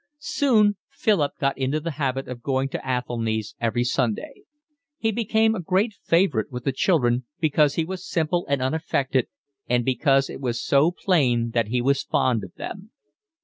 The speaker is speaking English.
Soon Philip got into the habit of going to Athelny's every Sunday. He became a great favourite with the children, because he was simple and unaffected and because it was so plain that he was fond of them.